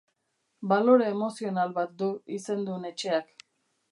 Balore emozional bat du izendun etxeak.